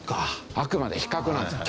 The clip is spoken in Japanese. あくまで比較なんですよ。